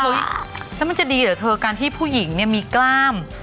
โอ้โหแล้วมันจะดีเหรอเธอการที่ผู้หญิงมีกล้าม